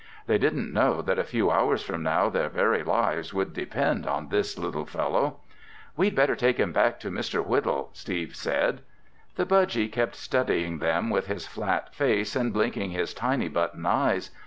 They didn't know that a few hours from now their very lives would depend on this little fellow. "We'd better take him back to Mr. Whittle," Steve said. The budgy kept studying them with his flat face and blinking his tiny button eyes.